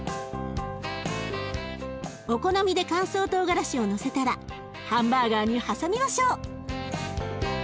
お好みで乾燥とうがらしをのせたらハンバーガーに挟みましょう。